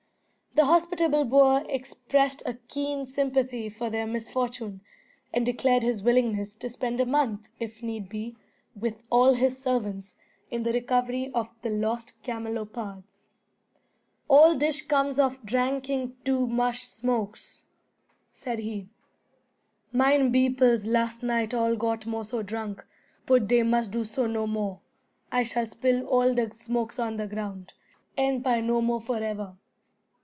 The hospitable boer expressed a keen sympathy for their misfortune, and declared his willingness to spend a month, if need be, with all his servants, in the recovery of the lost camelopards. "All dish comes of dranking do mush smokes," said he. "Mine beoples last night all got more so drunk; put dey must do so no more. I shall spill all de smokes on the ground, and puy no more forever."